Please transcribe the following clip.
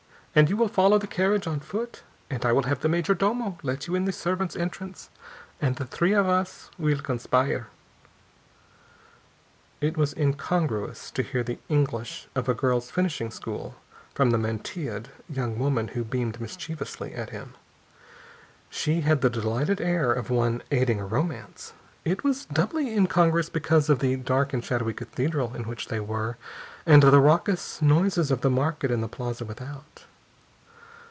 And you will follow the carriage on foot and I will have the major domo let you in the servants' entrance, and the three of us will conspire." It was incongruous to hear the English of a girl's finishing school from the mantilla'd young woman who beamed mischievously at him. She had the delighted air of one aiding a romance. It was doubly incongruous because of the dark and shadowy Cathedral in which they were, and the raucous noises of the market in the plaza without.